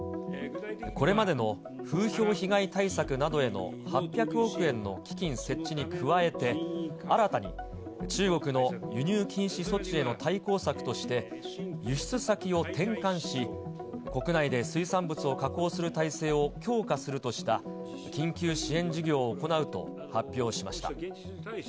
これまでの風評被害対策などへの８００億円の基金設置に加えて、新たに中国の輸入禁止措置への対抗策として、輸出先を転換し、国内で水産物を加工する体制を強化するとした緊急支援事業を行うと発表しました。